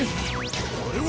あれは！